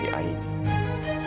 tidak ada yang bisa mengaku